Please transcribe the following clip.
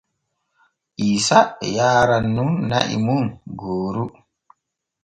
Iisa yaaran nun na’i mum gooru.